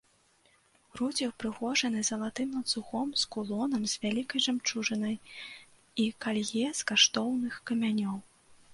Грудзі ўпрыгожаны залатым ланцугом з кулонам з вялікай жамчужынай і калье з каштоўных камянёў.